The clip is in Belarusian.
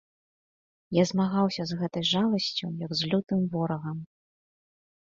Я змагаўся з гэтай жаласцю, як з лютым ворагам.